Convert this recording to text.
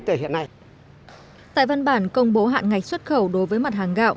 tại văn bản công bố hạn ngạch xuất khẩu đối với mặt hàng gạo